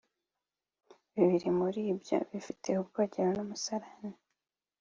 bibiri muri byo bifite urwogero n’umusarane